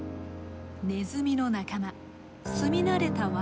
ネズミの仲間住み慣れた藁